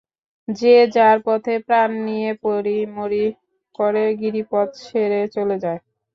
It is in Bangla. যে যার পথে প্রাণ নিয়ে পড়ি মরি করে গিরিপথ ছেড়ে চলে যায়।